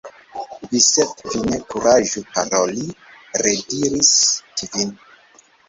"Vi, Sep, vi ne kuraĝu paroli!" rediris Kvin.